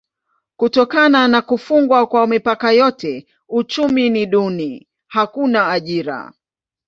Kutokana na kufungwa kwa mipaka yote uchumi ni duni: hakuna ajira.